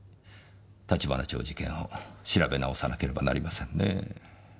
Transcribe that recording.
橘町事件を調べ直さなければなりませんねぇ。